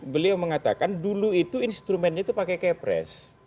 beliau mengatakan dulu itu instrumennya itu pakai kayak press